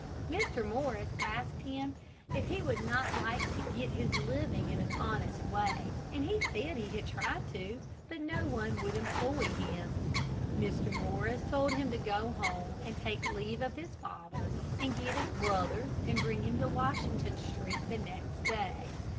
Mr. Morris asked him if he would not like to get his living in an honest way, and he said he had tried to, but no one would employ him. Mr. Morris told him to go home and take leave of his father and get his brother and bring him to Washington street the next day.